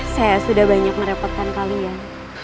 saya sudah banyak merepotkan kalian